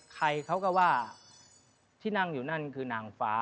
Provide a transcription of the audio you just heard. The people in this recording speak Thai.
ใครเขาก็ว่าที่นั่งอยู่นั่นคือนางฟ้า